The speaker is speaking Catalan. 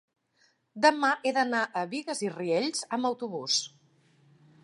demà he d'anar a Bigues i Riells amb autobús.